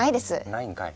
ないんかい。